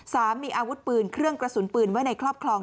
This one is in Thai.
สามีอาวุธปืนเครื่องกระสุนปืนไว้ในครอบครอง